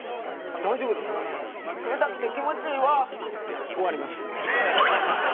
「大丈夫ですか？」「冷たくて気持ちいいわ」って言って終わりました。